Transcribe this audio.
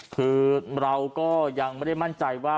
คือเราก็ยังไม่ได้มั่นใจว่า